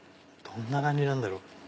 どんな感じなんだろう？